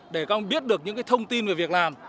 để các ông biết được những thông tin về việc làm